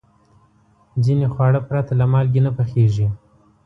ځینې خواړه پرته له مالګې نه پخېږي.